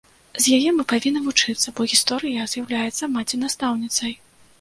З яе мы павінны вучыцца, бо гісторыя з'яўляецца маці-настаўніцай.